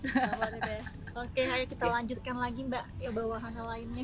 oke ayo kita lanjutkan lagi mbak ke bahwa wahana lainnya